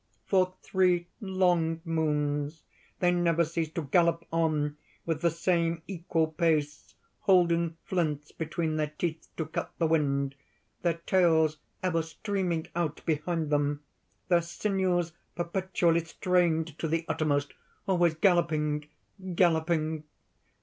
_) "For three long moons they never ceased to gallop on with the same equal pace, holdings flints between their teeth to cut the wind, their tails ever streaming out behind them, their sinews perpetually strained to the uttermost, always galloping, galloping.